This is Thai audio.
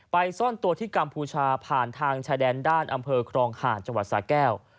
ซ่อนตัวที่กัมพูชาผ่านทางชายแดนด้านอำเภอครองหาดจังหวัดสาแก้ว